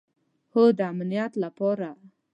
هو، د امنیت لپاره